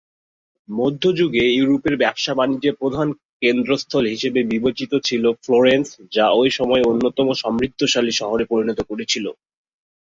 মধ্যযুগে ইউরোপের ব্যবসা-বাণিজ্যের প্রধান কেন্দ্রস্থল হিসেবে বিবেচিত ছিল ফ্লোরেন্স, যা ঐ সময়ে অন্যতম সমৃদ্ধশালী শহরে পরিণত করেছিল।